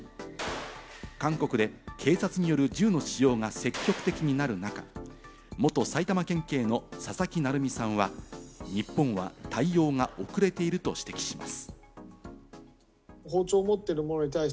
韓国で警察による銃の使用が積極的になる中、元埼玉県警の佐々木成三さんは日本は対応が遅れていると指摘します。